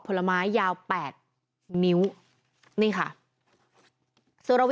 ตายหนึ่ง